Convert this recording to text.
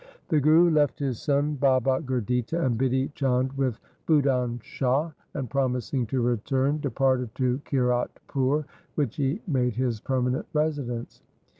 The Guru left his son Baba Gurditta and Bidhi Chand with Budhan Shah, and, promising to return, departed to Kiratpur, which he made his permanent residence.